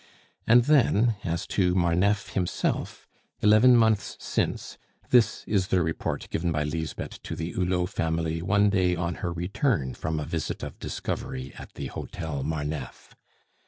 And then, as to Marneffe himself, eleven months since, this is the report given by Lisbeth to the Hulot family one day on her return from a visit of discovery at the hotel Marneffe.